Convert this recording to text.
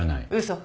嘘。